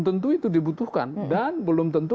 tentu itu dibutuhkan dan belum tentu